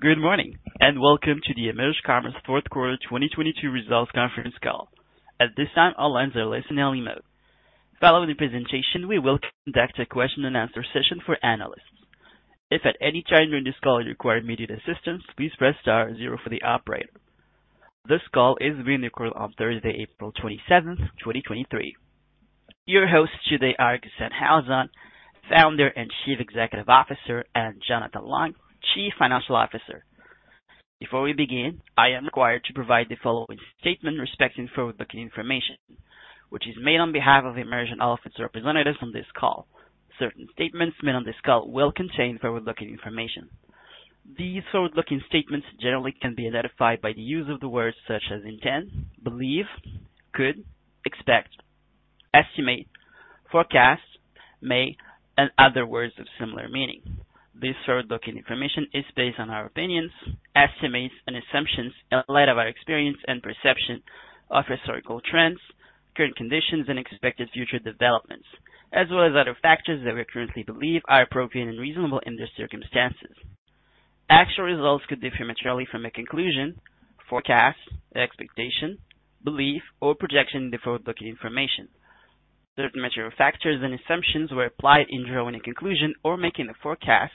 Good morning, welcome to the EMERGE Commerce fourth quarter 2022 results conference call. At this time, all lines are in listening mode. Following the presentation, we will conduct a question and answer session for analysts. If at any time during this call you require immediate assistance, please press star zero for the operator. This call is being recorded on Thursday, April 27th, 2023. Your hosts today are Ghassan Halazon, Founder and Chief Executive Officer, and Jonathan Leong, Chief Financial Officer. Before we begin, I am required to provide the following statement respecting forward-looking information, which is made on behalf of EMERGE and all of its representatives on this call. Certain statements made on this call will contain forward-looking information. These forward-looking statements generally can be identified by the use of the words such as intend, believe, could, expect, estimate, forecast, may, and other words of similar meaning. This forward-looking information is based on our opinions, estimates and assumptions in light of our experience and perception of historical trends, current conditions and expected future developments, as well as other factors that we currently believe are appropriate and reasonable in these circumstances. Actual results could differ materially from a conclusion, forecast, expectation, belief, or projection in the forward-looking information. Certain material factors and assumptions were applied in drawing a conclusion or making a forecast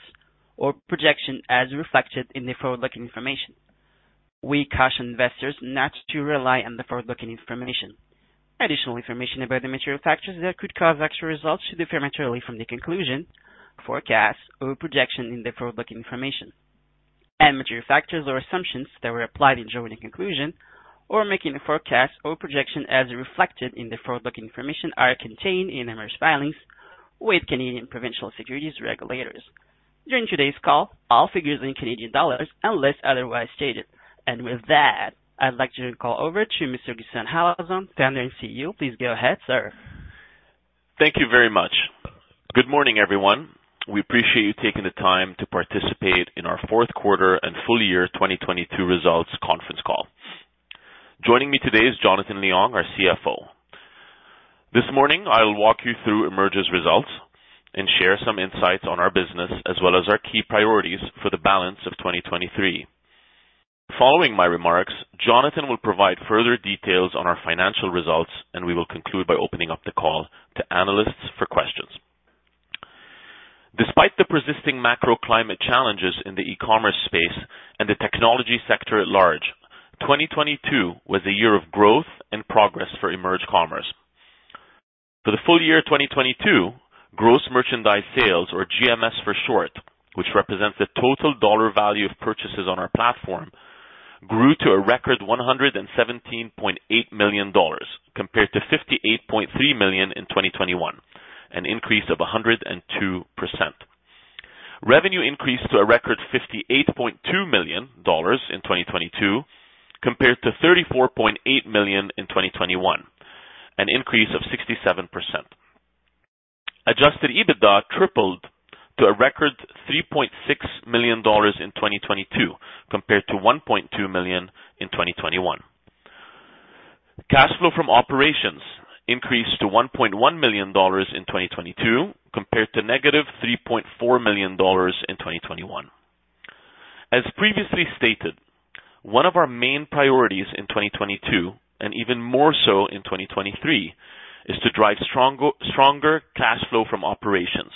or projection as reflected in the forward-looking information. We caution investors not to rely on the forward-looking information. Additional information about the material factors that could cause actual results to differ materially from the conclusion, forecast or projection in the forward-looking information and material factors or assumptions that were applied in drawing a conclusion or making a forecast or projection as reflected in the forward-looking information are contained in EMERGE filings with Canadian Provincial Securities Regulators. During today's call, all figures in Canadian dollars, unless otherwise stated. With that, I'd like to call over to Mr. Ghassan Halazon, Founder and CEO. Please go ahead, sir. Thank you very much. Good morning, everyone. We appreciate you taking the time to participate in our fourth quarter and full year 2022 results conference call. Joining me today is Jonathan Leong, our CFO. This morning, I'll walk you through EMERGE's results and share some insights on our business as well as our key priorities for the balance of 2023. Following my remarks, Jonathan will provide further details on our financial results. We will conclude by opening up the call to analysts for questions. Despite the persisting macro climate challenges in the e-commerce space and the technology sector at large, 2022 was a year of growth and progress for EMERGE Commerce. For the full year 2022, gross merchandise sales or GMS for short, which represents the total dollar value of purchases on our platform, grew to a record 117.8 million dollars compared to 58.3 million in 2021, an increase of 102%. Revenue increased to a record 58.2 million dollars in 2022 compared to 34.8 million in 2021, an increase of 67%. Adjusted EBITDA tripled to a record CAD 3.6 million in 2022 compared to 1.2 million in 2021. Cash flow from operations increased to 1.1 million dollars in 2022 compared to negative 3.4 million dollars in 2021. As previously stated, one of our main priorities in 2022, and even more so in 2023, is to drive stronger cash flow from operations.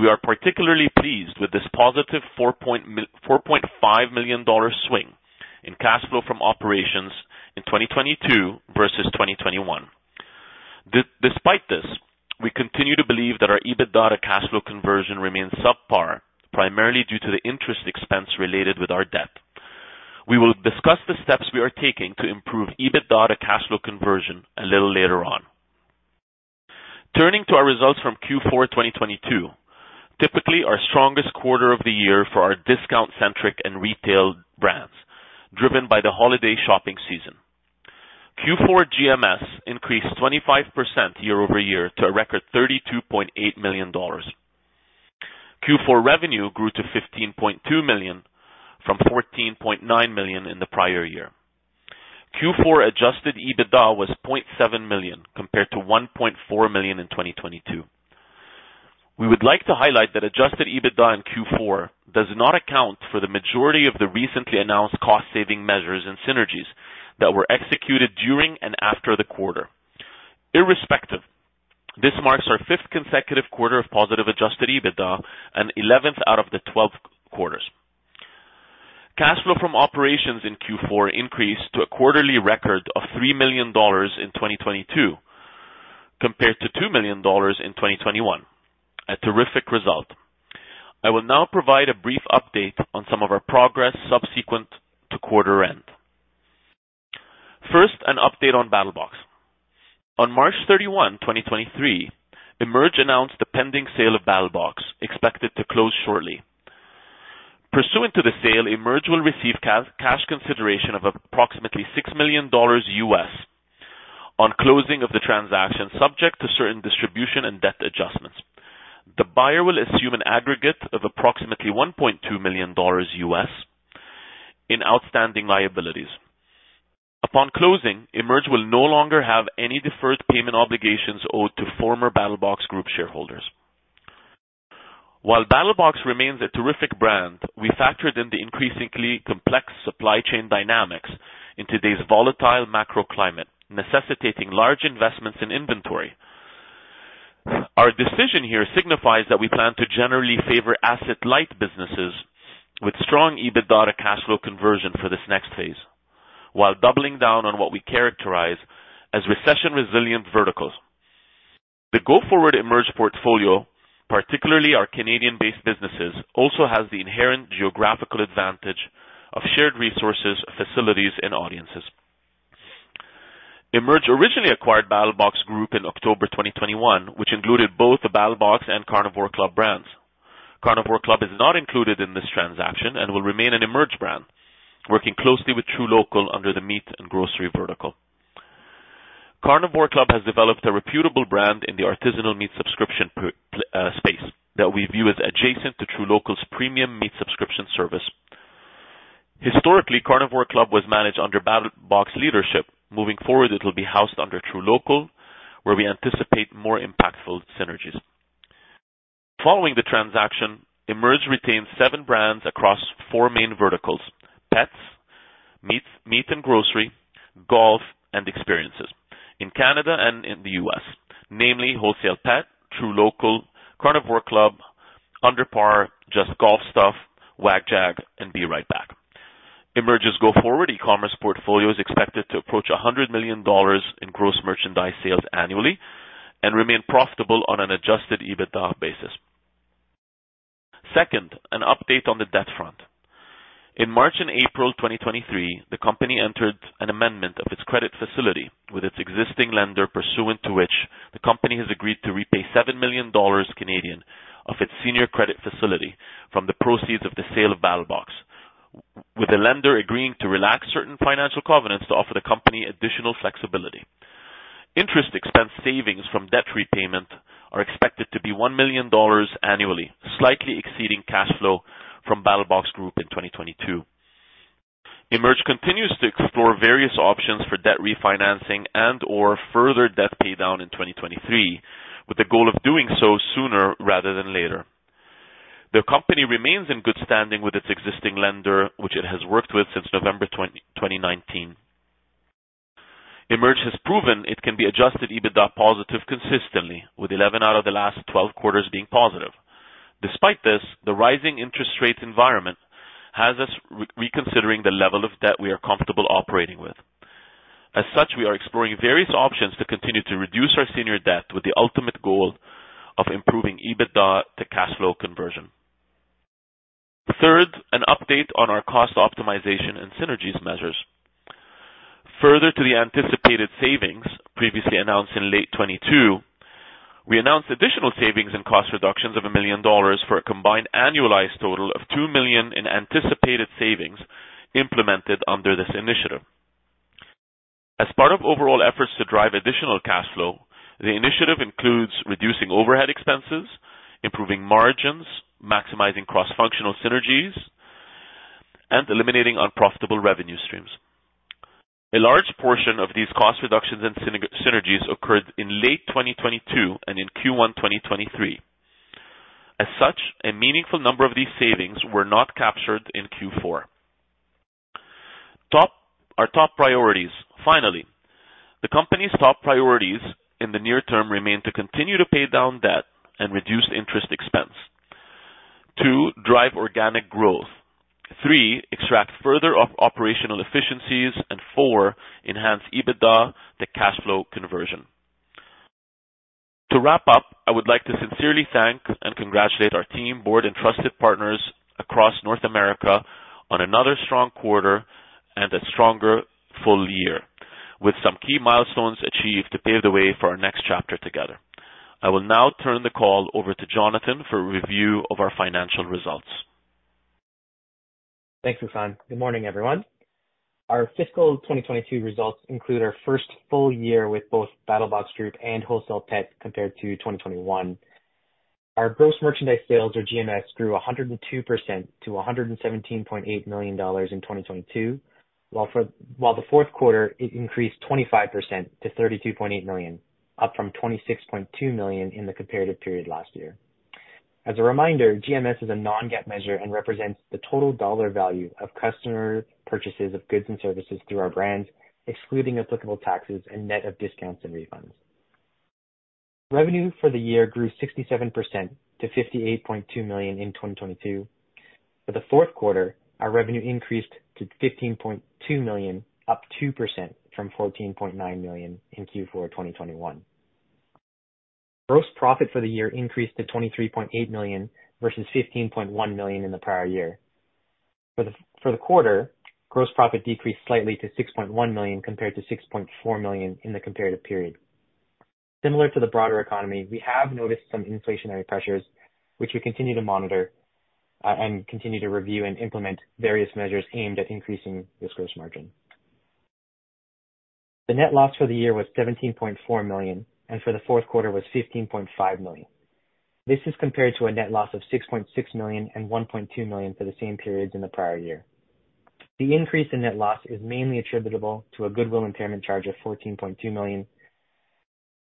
We are particularly pleased with this positive 4.5 million dollar swing in cash flow from operations in 2022 versus 2021. Despite this, we continue to believe that our EBITDA to cash flow conversion remains subpar, primarily due to the interest expense related with our debt. We will discuss the steps we are taking to improve EBITDA to cash flow conversion a little later on. Turning to our results from Q4 2022, typically our strongest quarter of the year for our discount-centric and retail brands, driven by the holiday shopping season. Q4 GMS increased 25% year-over-year to a record 32.8 million dollars. Q4 revenue grew to 15.2 million from 14.9 million in the prior year. Q4 Adjusted EBITDA was 0.7 million compared to 1.4 million in 2022. We would like to highlight that Adjusted EBITDA in Q4 does not account for the majority of the recently announced cost saving measures and synergies that were executed during and after the quarter. Irrespective, this marks our 5th consecutive quarter of positive Adjusted EBITDA and 11th out of the 12 quarters. Cash flow from operations in Q4 increased to a quarterly record of 3 million dollars in 2022 compared to 2 million dollars in 2021. A terrific result. I will now provide a brief update on some of our progress subsequent to quarter end. First, an update on BattlBox. On March 31, 2023, EMERGE announced the pending sale of BattlBox, expected to close shortly. Pursuant to the sale, EMERGE will receive cash consideration of approximately $6 million US on closing of the transaction, subject to certain distribution and debt adjustments. The buyer will assume an aggregate of approximately $1.2 million US in outstanding liabilities. Upon closing, EMERGE will no longer have any deferred payment obligations owed to former BattlBox Group shareholders. While BattlBox remains a terrific brand, we factored in the increasingly complex supply chain dynamics in today's volatile macro climate, necessitating large investments in inventory. Our decision here signifies that we plan to generally favor asset-light businesses with strong EBITDA cash flow conversion for this next phase, while doubling down on what we characterize as recession-resilient verticals. The go-forward EMERGE portfolio, particularly our Canadian-based businesses, also has the inherent geographical advantage of shared resources, facilities, and audiences. EMERGE originally acquired BattlBox Group in October 2021, which included both the BattlBox and Carnivore Club brands. Carnivore Club is not included in this transaction and will remain an EMERGE brand, working closely with truLOCAL under the meat and grocery vertical. Carnivore Club has developed a reputable brand in the artisanal meat subscription space that we view as adjacent to truLOCAL's premium meat subscription service. Historically, Carnivore Club was managed under BattlBox leadership. Moving forward, it'll be housed under truLOCAL, where we anticipate more impactful synergies. Following the transaction, EMERGE retains seven brands across four main verticals: pets, meat and grocery, golf, and experiences in Canada and in the U.S., namely WholesalePet, truLOCAL, Carnivore Club, UnderPar, JustGolfStuff, WagJag, and BeRightBack. EMERGE's go forward e-commerce portfolio is expected to approach 100 million dollars in gross merchandise sales annually and remain profitable on an Adjusted EBITDA basis. Second, an update on the debt front. In March and April 2023, the company entered an amendment of its credit facility, with its existing lender, pursuant to which the company has agreed to repay 7 million Canadian dollars of its senior credit facility from the proceeds of the sale of BattlBox, with the lender agreeing to relax certain financial covenants to offer the company additional flexibility. Interest expense savings from debt repayment are expected to be 1 million dollars annually, slightly exceeding cash flow from BattlBox Group in 2022. EMERGE continues to explore various options for debt refinancing and/or further debt paydown in 2023, with the goal of doing so sooner rather than later. The company remains in good standing with its existing lender, which it has worked with since November 2019. EMERGE has proven it can be Adjusted EBITDA positive consistently, with 11 out of the last 12 quarters being positive. Despite this, the rising interest rate environment has us reconsidering the level of debt we are comfortable operating with. As such, we are exploring various options to continue to reduce our senior debt, with the ultimate goal of improving EBITDA to cash flow conversion. Third, an update on our cost optimization and synergies measures. Further to the anticipated savings previously announced in late 2022, we announced additional savings and cost reductions of 1 million dollars for a combined annualized total of 2 million in anticipated savings implemented under this initiative. As part of overall efforts to drive additional cash flow, the initiative includes reducing overhead expenses, improving margins, maximizing cross-functional synergies, and eliminating unprofitable revenue streams. A large portion of these cost reductions and synergies occurred in late 2022 and in Q1 2023. As such, a meaningful number of these savings were not captured in Q4. Our top priorities. Finally, the company's top priorities in the near term remain to continue to pay down debt and reduce interest expense. 2. drive organic growth. 3. extract further operational efficiencies. And 4. enhance EBITDA to cash flow conversion. To wrap up, I would like to sincerely thank and congratulate our team, board, and trusted partners across North America on another strong quarter and a stronger full year, with some key milestones achieved to pave the way for our next chapter together. I will now turn the call over to Jonathan for a review of our financial results. Thanks, Ghassan. Good morning, everyone. Our fiscal 2022 results include our first full year with both BattlBox Group and WholesalePet compared to 2021. Our gross merchandise sales or GMS grew 102% to 117.8 million dollars in 2022, while the fourth quarter, it increased 25% to 32.8 million, up from 26.2 million in the comparative period last year. As a reminder, GMS is a non-GAAP measure and represents the total dollar value of customer purchases of goods and services through our brands, excluding applicable taxes and net of discounts and refunds. Revenue for the year grew 67% to 58.2 million in 2022. For the fourth quarter, our revenue increased to 15.2 million, up 2% from 14.9 million in Q4, 2021. Gross profit for the year increased to 23.8 million versus 15.1 million in the prior year. For the quarter, gross profit decreased slightly to 6.1 million compared to 6.4 million in the comparative period. Similar to the broader economy, we have noticed some inflationary pressures which we continue to monitor and continue to review and implement various measures aimed at increasing this gross margin. The net loss for the year was 17.4 million and for the fourth quarter was 15.5 million. This is compared to a net loss of 6.6 million and 1.2 million for the same periods in the prior year. The increase in net loss is mainly attributable to a goodwill impairment charge of 14.2 million.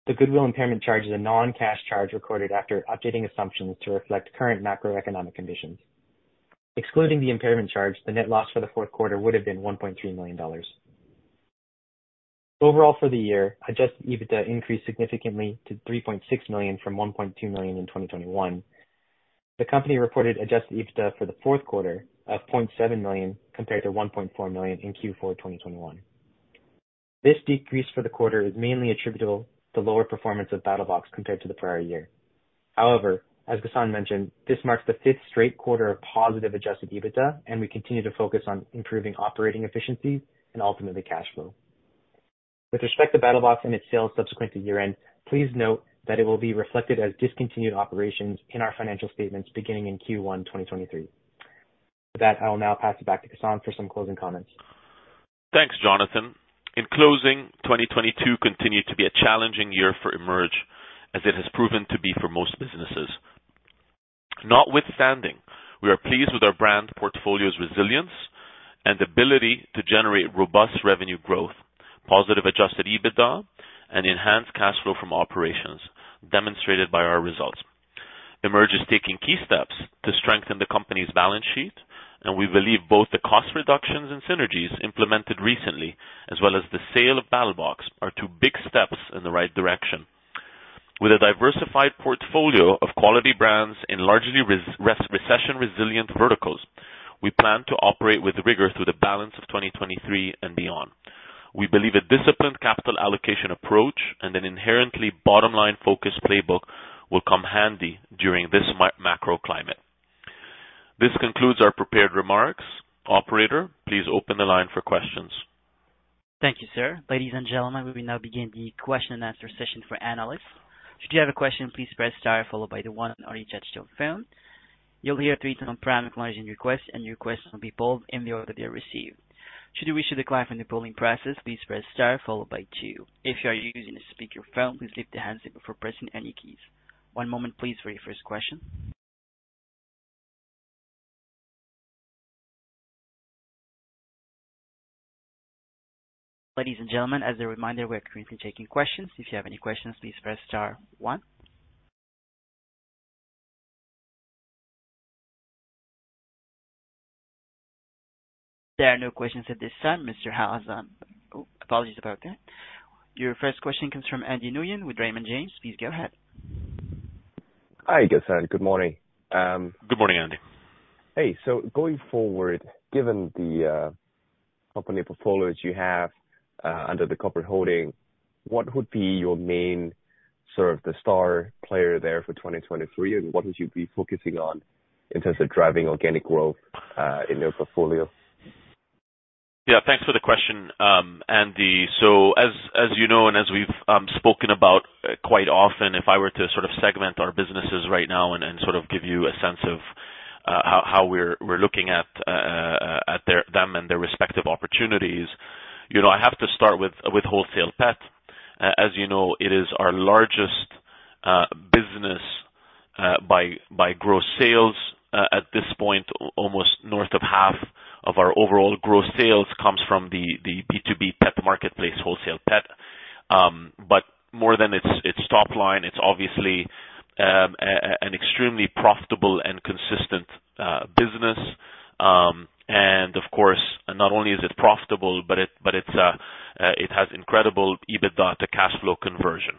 The goodwill impairment charge is a non-cash charge recorded after updating assumptions to reflect current macroeconomic conditions. Excluding the impairment charge, the net loss for the fourth quarter would have been 1.3 million dollars. Overall, for the year, Adjusted EBITDA increased significantly to 3.6 million from 1.2 million in 2021. The company reported Adjusted EBITDA for the fourth quarter of 0.7 million compared to 1.4 million in Q4 2021. This decrease for the quarter is mainly attributable to lower performance of BattlBox compared to the prior year. As Ghassan mentioned, this marks the fifth straight quarter of positive Adjusted EBITDA, and we continue to focus on improving operating efficiency and ultimately cash flow. With respect to BattlBox and its sales subsequent to year-end, please note that it will be reflected as discontinued operations in our financial statements beginning in Q1 2023. With that, I will now pass it back to Ghassan for some closing comments. Thanks, Jonathan. In closing, 2022 continued to be a challenging year for EMERGE as it has proven to be for most businesses. Notwithstanding, we are pleased with our brand portfolio's resilience and ability to generate robust revenue growth, positive Adjusted EBITDA, and enhanced cash flow from operations demonstrated by our results. EMERGE is taking key steps to strengthen the company's balance sheet. We believe both the cost reductions and synergies implemented recently as well as the sale of BattlBox are two big steps in the right direction. With a diversified portfolio of quality brands in largely recession resilient verticals, we plan to operate with rigor through the balance of 2023 and beyond. We believe a disciplined capital allocation approach and an inherently bottom line focused playbook will come handy during this macro climate. This concludes our prepared remarks. Operator, please open the line for questions. Thank you, sir. Ladies and gentlemen, we will now begin the question and answer session for analysts. Should you have a question, please press star followed by the one on your touch-tone phone. You'll hear three tone prime acknowledging your request, and your question will be pulled in the order they're received. Should you wish to decline from the polling process, please press star followed by two. If you are using a speakerphone, please lift the handset before pressing any keys. One moment please for your first question. Ladies and gentlemen, as a reminder, we are currently taking questions. If you have any questions, please press star one. There are no questions at this time, Mr. Halazon. Apologies about that. Your first question comes from Andy Nguyen with Raymond James. Please go ahead. Hi, Ghassan. Good morning. Good morning, Andy. Hey. Going forward, given the company portfolios you have under the corporate holding, what would be your main sort of the star player there for 2023? What would you be focusing on in terms of driving organic growth in your portfolio? Yeah, thanks for the question, Andy. As you know, and as we've spoken about, quite often, if I were to sort of segment our businesses right now and sort of give you a sense of how we're looking at them and their respective opportunities. You know, I have to start with WholesalePet. As you know, it is our largest business by gross sales. At this point, almost north of half of our overall gross sales comes from the B2B pet marketplace, WholesalePet. More than its top line, it's obviously an extremely profitable and consistent business. Of course, not only is it profitable, but it has incredible EBITDA to cash flow conversion.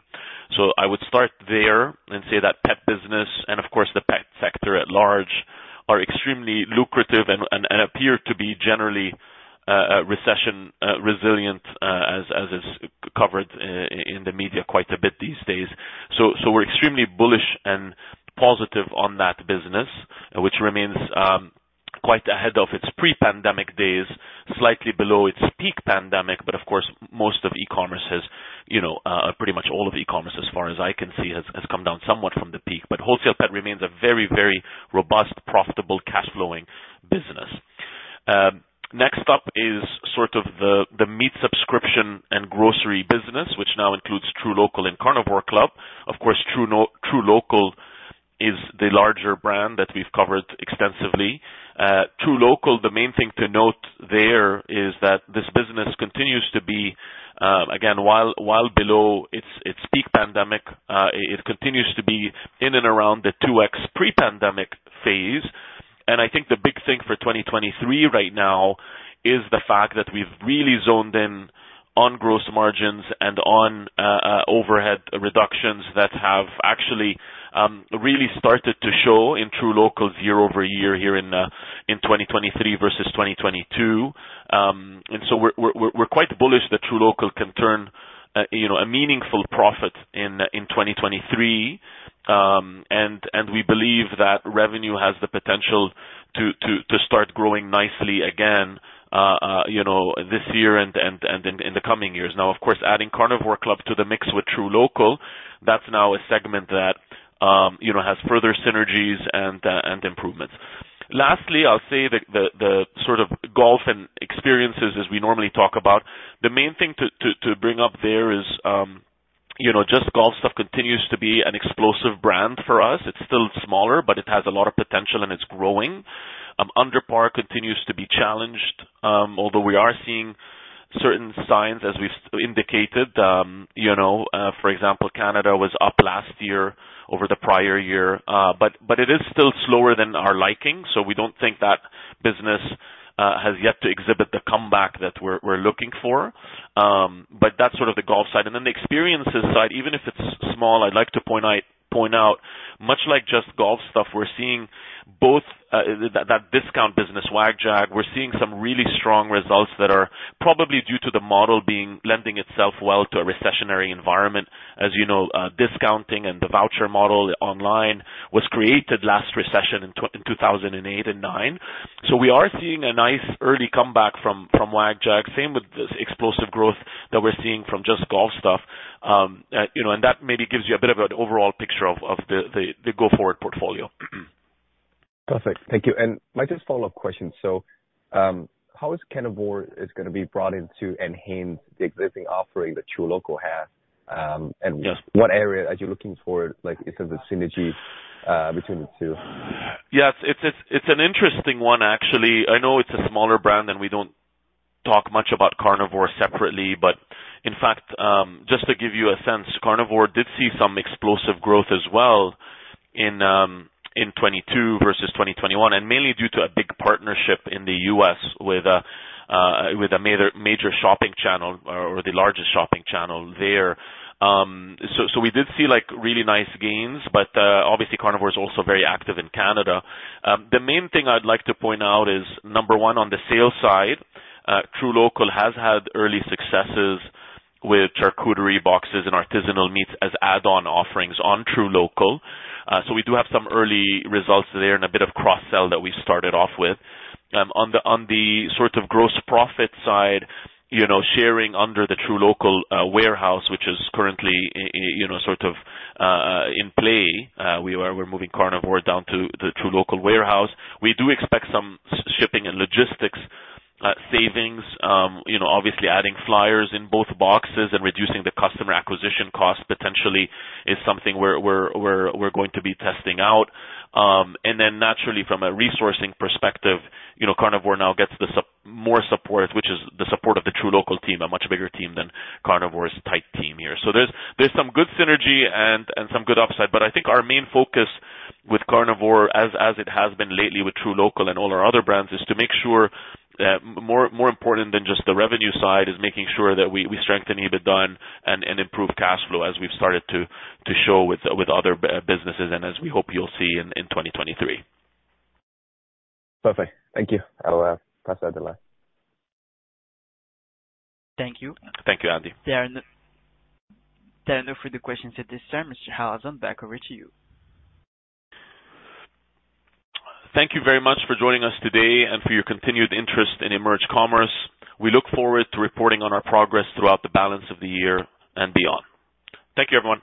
I would start there and say that pet business and of course the pet sector at large are extremely lucrative and appear to be generally recession resilient, as is covered in the media quite a bit these days. We're extremely bullish and positive on that business, which remains quite ahead of its pre-pandemic days, slightly below its peak pandemic. Of course, most of e-commerce has, you know, pretty much all of e-commerce as far as I can see, has come down somewhat from the peak. WholesalePet remains a very robust, profitable cash flowing business. Next up is sort of the meat subscription and grocery business, which now includes truLOCAL and Carnivore Club. Of course, truLOCAL is the larger brand that we've covered extensively. truLOCAL, the main thing to note there is that this business continues to be, again, while below its peak pandemic, it continues to be in and around the 2x pre-pandemic phase. I think the big thing for 2023 right now is the fact that we've really zoned in on gross margins and on overhead reductions that have actually really started to show in truLOCAL year-over-year here in 2023 versus 2022. We're quite bullish that truLOCAL can turn, you know, a meaningful profit in 2023. We believe that revenue has the potential to start growing nicely again, you know, this year and in the coming years. Of course, adding Carnivore Club to the mix with truLOCAL, that's now a segment that, you know, has further synergies and improvements. I'll say the sort of golf and experiences as we normally talk about, the main thing to bring up there is, you know, JustGolfStuff continues to be an explosive brand for us. It's still smaller, but it has a lot of potential, and it's growing. UnderPar continues to be challenged, although we are seeing certain signs as we indicated. You know, for example, Canada was up last year over the prior year. But it is still slower than our liking, so we don't think that business has yet to exhibit the comeback that we're looking for. That's sort of the golf side. Then the experiences side, even if it's small, I'd like to point out, much like JustGolfStuff, we're seeing both that discount business, WagJag, we're seeing some really strong results that are probably due to the model being lending itself well to a recessionary environment. As you know, discounting and the voucher model online was created last recession in 2008 and 2009. We are seeing a nice early comeback from WagJag. Same with this explosive growth that we're seeing from JustGolfStuff. You know, that maybe gives you a bit of an overall picture of the go-forward portfolio. Perfect. Thank you. My just follow-up question. How is Carnivore is gonna be brought into enhance the existing offering that truLOCAL has? Yes. Just what area are you looking for, like, in terms of synergy, between the two? Yes. It's an interesting one actually. I know it's a smaller brand. We don't talk much about Carnivore separately. In fact, just to give you a sense, Carnivore did see some explosive growth as well in 2022 versus 2021, and mainly due to a big partnership in the U.S. with a major shopping channel or the largest shopping channel there. So we did see, like, really nice gains, but obviously Carnivore is also very active in Canada. The main thing I'd like to point out is, number one, on the sales side, truLOCAL has had early successes with charcuterie boxes and artisanal meats as add-on offerings on truLOCAL. We do have some early results there and a bit of cross-sell that we started off with. On the sort of gross profit side, you know, sharing under the truLOCAL warehouse, which is currently, you know, sort of, in play, we're moving Carnivore down to the truLOCAL warehouse. We do expect some shipping and logistics savings. You know, obviously adding flyers in both boxes and reducing the customer acquisition cost potentially is something we're going to be testing out. And then naturally from a resourcing perspective, you know, Carnivore now gets the more support, which is the support of the truLOCAL team, a much bigger team than Carnivore's tight team here. There's some good synergy and some good upside. I think our main focus with Carnivore as it has been lately with truLOCAL and all our other brands, is to make sure, more important than just the revenue side, is making sure that we strengthen EBITDA and improve cash flow as we've started to show with other businesses and as we hope you'll see in 2023. Perfect. Thank you. I will press that delay. Thank you. Thank you, Andy. There are no further questions at this time. Mr. Halazon, back over to you. Thank you very much for joining us today and for your continued interest in EMERGE Commerce. We look forward to reporting on our progress throughout the balance of the year and beyond. Thank you, everyone.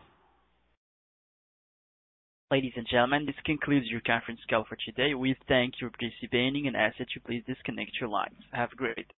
Ladies and gentlemen, this concludes your conference call for today. We thank you for participating and ask that you please disconnect your lines. Have a great day.